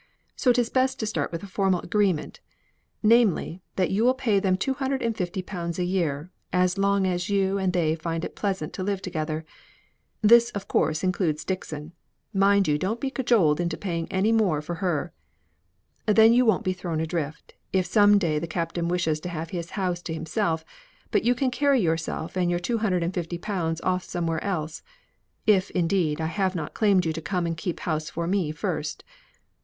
So it is best to start with a formal agreement; namely, that you are to pay to them two hundred and fifty pounds a year, as long as you and they find it pleasant to live together. (This, of course, includes Dixon; mind you don't be cajoled into paying more for her.) Then you won't be thrown adrift, if some day the captain wishes to have his house to himself, but you can carry yourself and your two hundred and fifty pounds off somewhere else; if, indeed, I have not claimed you to come and keep house for me first.